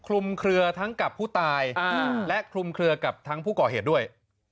คลุมเคลือทั้งกับผู้ตายและคลุมเคลือกับทั้งผู้ก่อเหตุด้วย